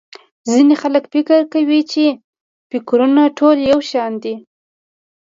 ځينې خلک فکر کوي چې٫ فکرونه ټول يو شان دي.